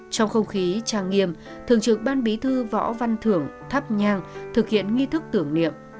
trong không khí trang nghiêm thường trực ban bí thư võ văn thưởng thắp nhang thực hiện nghi thức tưởng niệm